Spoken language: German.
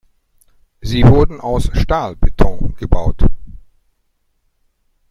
Sie wurden aus Stahlbeton gebaut.